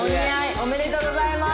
おめでとうございます。